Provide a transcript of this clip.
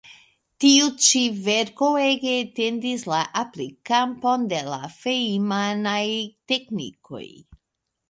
Tiu ĉi verko ege etendis la aplik-kampon de la Feinman-aj teknikoj.